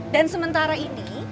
dan sementara ini